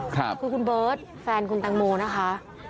คือคุณเบิร์ตแฟนคุณแตงโมนะคะ